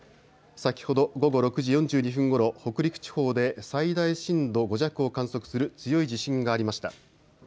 先ほど午後６時４２分ごろ北陸地方で最大震度５弱を観測する強い地震がありました。